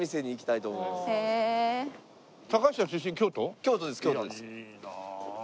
いいなあ。